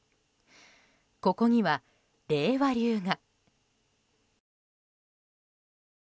ここには令和流が。